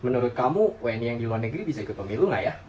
menurut kamu wni yang di luar negeri bisa ikut pemilu nggak ya